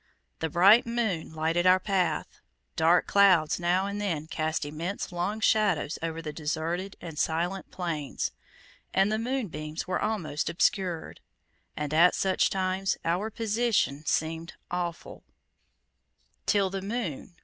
The bright moon lighted our path: dark clouds now and then cast immense long shadows over the deserted and silent plains, and the moonbeans were almost obscured, and at such times our position seemed awful Till the moon.